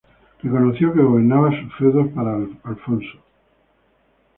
Reconoció que gobernaba sus feudos para Alfonso.